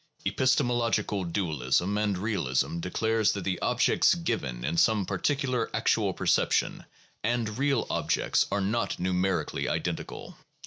Epistemological dualism and realism declares that the objects given in some particular actual perception and real objects are not numerically identical.